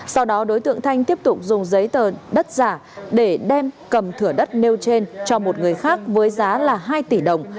sau đó đối tượng thanh tiếp tục dùng giấy tờ đất giả để đem cầm thửa đất nêu trên cho một người khác với giá là hai tỷ đồng